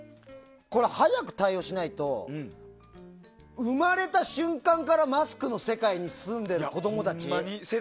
早く対応しないと生まれた瞬間からマスクの世界に住んでいる子供たち。